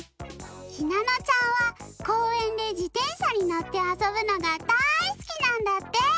ひなのちゃんはこうえんでじてんしゃにのってあそぶのがだいすきなんだって！